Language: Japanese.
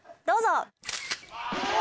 どうぞ！